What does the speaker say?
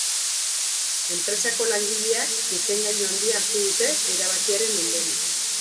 Enpresako langileak desengainu handia hartu dute erabakiaren ondorioz.